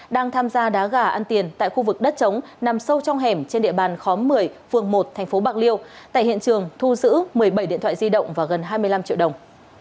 đang tham gia đá gà ăn tiền tại khu vực đất trống nằm sâu trong hẻm trên địa bàn khóm một mươi phường một tp bạc liêu tại hiện trường thu giữ một mươi bảy điện thoại di động và gần hai mươi năm triệu đồng